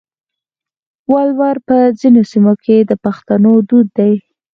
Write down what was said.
ولور په ځینو سیمو کې د پښتنو دود دی.